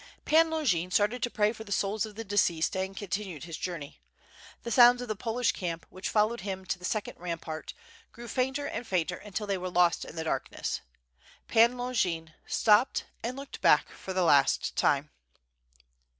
Pan Longin started to pray for the souls of the deceased and continued his journey. The sounds of the Polish camp, which followed him to the second rampart, grew fainter and fainter until they were lost in the distance. Pan Longin stopped and looked back for the last time.